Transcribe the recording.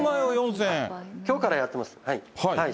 きょうからやってます。